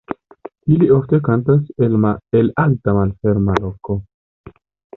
Ili ofte kantas el alta malferma loko.